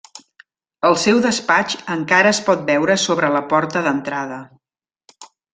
El seu despatx encara es pot veure sobre la porta d'entrada.